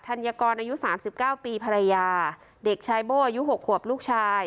ธัญกรอายุสามสิบเก้าปีภรรยาเด็กชายโบ้อายุหกขวบลูกชาย